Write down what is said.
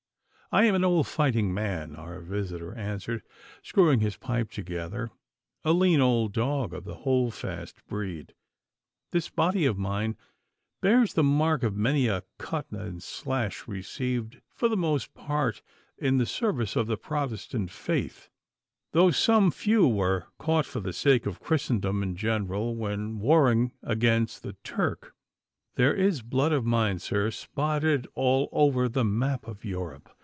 'I am an old fighting man,' our visitor answered, screwing his pipe together, 'a lean old dog of the hold fast breed. This body of mine bears the mark of many a cut and slash received for the most part in the service of the Protestant faith, though some few were caught for the sake of Christendom in general when warring against the Turk. There is blood of mine, sir, Spotted all over the map of Europe.